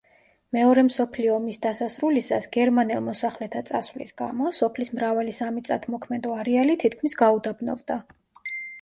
მეორე მსოფლიო ომის დასასრულისას, გერმანელ მოსახლეთა წასვლის გამო, სოფლის მრავალი სამიწათმოქმედო არეალი თითქმის გაუდაბნოვდა.